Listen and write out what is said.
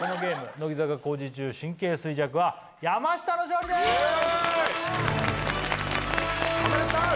乃木坂工事中神経衰弱はおめでとう！